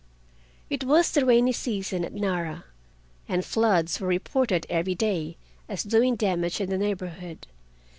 It was the rainy season at Nara, and floods were reported every day as doing damage in the neighborhood.